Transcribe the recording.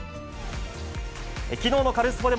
きのうのカルスポっ！